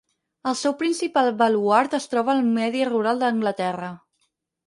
El seu principal baluard es troba al medi rural d'Anglaterra.